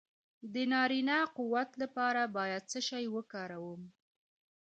د نارینه قوت لپاره باید څه شی وکاروم؟